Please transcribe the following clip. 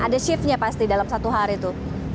ada shiftnya pasti dalam satu hari itu